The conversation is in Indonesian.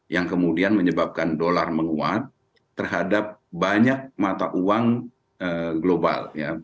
yang kemudian menyebabkan dolar menguat terhadap banyak mata uang global